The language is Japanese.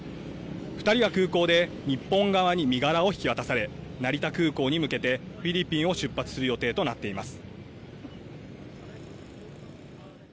２人は空港で日本側に身柄を引き渡され、成田空港に向けてフィリピンを出発する予定となっています。